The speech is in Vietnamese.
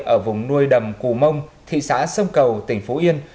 ở vùng nuôi đầm cù mông thị xã sông cầu tỉnh phú yên